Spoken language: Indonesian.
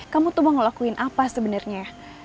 kamu tuh mau ngelakuin apa sebenarnya